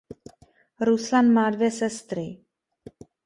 Ruslan má dvě sestry.